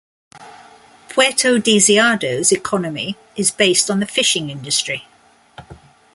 Puerto Deseado's economy is based on the fishing industry.